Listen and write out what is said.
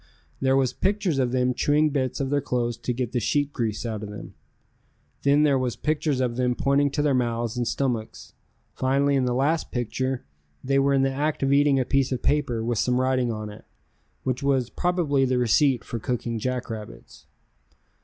There was pictures of them chewing bits of their clothes to get the sheep grease out of them. Then there was pictures of them pointing to their mouths and stomachs, finally in the last picture they were in the act of eating a piece of paper with some writing on it, which was probably the receipt for cooking jackrabbits.